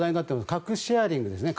核シェアリングですね。